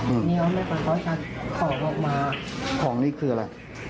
ทีนี้เขาไม่ฟังเขาชักของออกมาของนี่คืออะไร